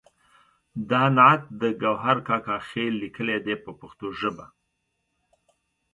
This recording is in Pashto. دا نعت د ګوهر کاکا خیل لیکلی دی په پښتو ژبه.